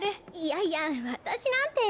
いやいや私なんて。